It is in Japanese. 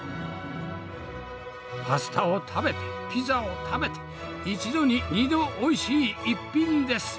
パスタを食べてピザを食べて１度に２度おいしい一品です。